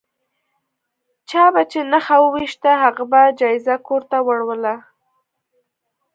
چا به چې نښه وویشته هغه به جایزه کور ته وړله.